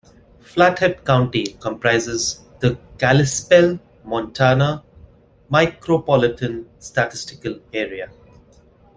Flathead County comprises the Kalispell, Montana Micropolitan Statistical Area.